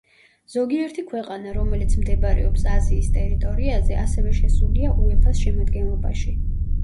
ზოგიერთი ქვეყანა, რომელიც მდებარეობს აზიის ტერიტორიაზე, ასევე შესულია უეფას შემადგენლობაში.